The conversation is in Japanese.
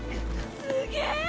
すげえ！